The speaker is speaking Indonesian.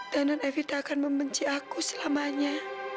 dan non evita akan membenci aku selamanya